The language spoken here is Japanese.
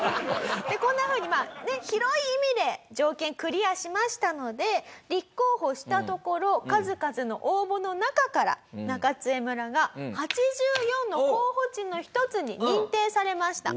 こんなふうに広い意味で条件クリアしましたので立候補したところ数々の応募の中から中津江村が８４の候補地の一つに認定されました。